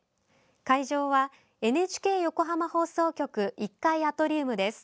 会場は、ＮＨＫ横浜放送局１階アトリウムです。